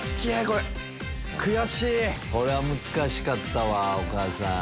これは難しかったわお母さん。